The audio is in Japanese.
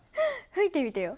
吹いてみてよ。